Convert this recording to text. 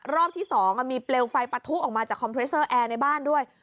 รอบที่๒มีเปลวไฟปะทุออกมาจากคอมเพรสเซอร์แอร์ในบ้านด้วย